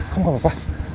kamu gak apa apa